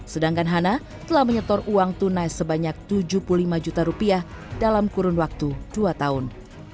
sedangkan hana telah menyetor uang tunai sebanyak tujuh puluh lima juta rupiah dalam kurun waktu dua tahun